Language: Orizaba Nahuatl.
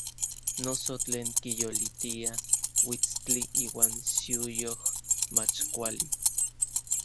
Noso tlen kiyolitia uitstli iuan xiuyoj mach kuali.